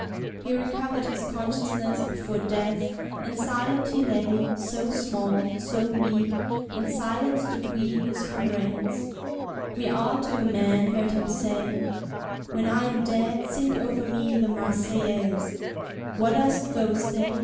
He recovered his consciousness before death, and silent he lay, so small, so weak; and silent stood we his comrades'. We all to a man heard him say: "When I am dead sing over me the Marseillaise." "What dost thou say?"